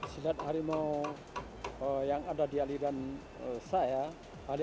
silat harimau yang ada di aliran saya